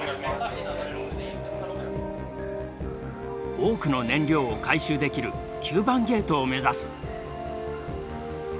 多くの燃料を回収できる９番ゲートを目指す。